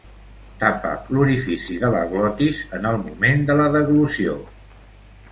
Tapa l'orifici de la glotis en el moment de la deglució.